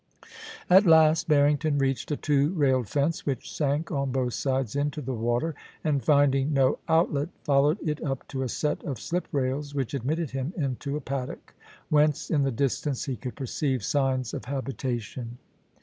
At last Barrington reached a two railed fence which sank on both sides into the water, and finding no outlet, followed it up to a set of slip rails which admitted him into a pad dock, whence in the distance he could perceive signs of habitation. 1 12 POLICY AND PASSION.